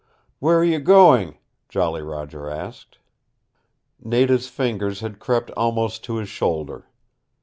"Where are you going?" Jolly Roger asked. Nada's fingers had crept almost to his shoulder.